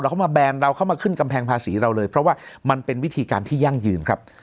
เขามาแบนเราเข้ามาขึ้นกำแพงภาษีเราเลยเพราะว่ามันเป็นวิธีการที่ยั่งยืนครับ